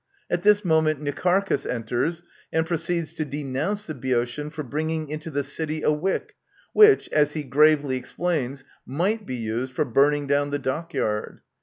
At this moment Nicharchus enters, and proceeds to denounce the Boeotian for bringing into the city a wick, which, as he gravely explains, might ^ be used for burning down the dockyard.